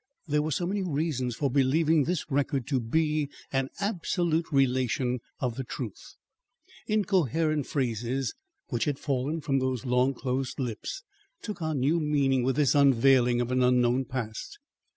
There were so many reasons for believing this record to be an absolute relation of the truth. Incoherent phrases which had fallen from those long closed lips took on new meaning with this unveiling of an unknown past.